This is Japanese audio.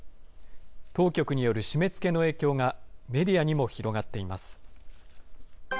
当局による締めつけの影響が、メディアにも広がっています。